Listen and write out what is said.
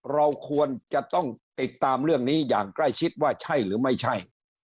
เราควรจะต้องติดตามเรื่องนี้อย่างใกล้ชิดว่าใช่หรือไม่ใช่